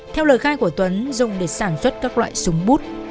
theo lời khai của tuấn dùng để sản xuất các loại súng bút